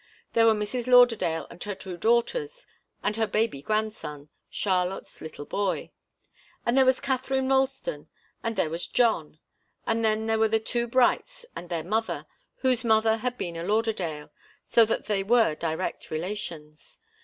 There were Mrs. Lauderdale and her two daughters, and her baby grandson, Charlotte's little boy. And there was Katharine Ralston and there was John. And then there were the two Brights and their mother, whose mother had been a Lauderdale, so that they were direct relations.